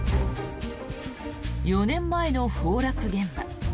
４年前の崩落現場。